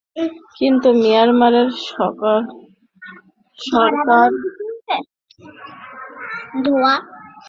কিন্তু মিয়ানমারের সরকার এটা নিশ্চিত করছে না, আবার খারিজও করছে না।